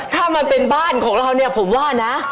ถ้ามันเป็นบ้านของเราเนี่ยผมว่านะ